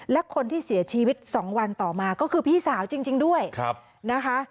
และคนที่เสียชีวิต๒วันต่อมาก็คือพี่สาวจริงด้วยนะคะ